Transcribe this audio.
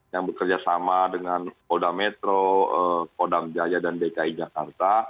yang bekerja sama dengan polda metro kodam jaya dan dki jakarta